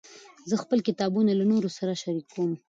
زه خپل کتابونه له نورو سره شریکوم.